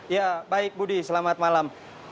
ya baik budi selamat malam